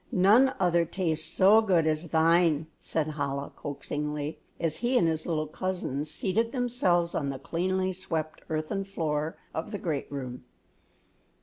None other tastes so good as thine," said Chola, coaxingly, as he and his little cousins seated themselves on the cleanly swept earthen floor of the great room.